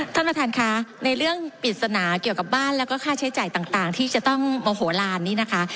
ท่านประธานค่ะในเรื่องปริศนาเกี่ยวกับบ้านแล้วก็ค่าใช้จ่ายต่างที่จะต้องโมโหลานนี้นะคะ